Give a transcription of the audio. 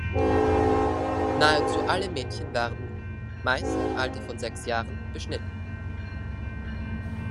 Nahezu alle Mädchen werden, meist im Alter von sechs Jahren, beschnitten.